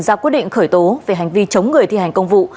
ra quyết định khởi tố về hành vi chống người thi hành công vụ